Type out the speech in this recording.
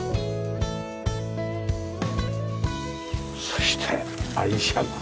そして愛車が。